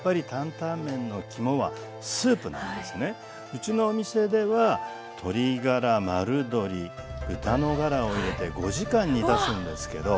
うちのお店では鶏がら丸鶏豚のがらを入れて５時間煮出すんですけど。